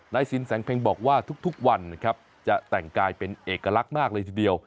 สินแสงเพ็งบอกว่าทุกวันนะครับจะแต่งกายเป็นเอกลักษณ์มากเลยทีเดียว